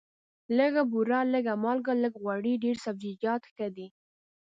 لږه بوره، لږه مالګه، لږ غوړي، ډېر سبزیجات ښه دي.